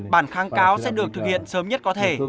bản kháng cáo sẽ được thực hiện sớm nhất có thể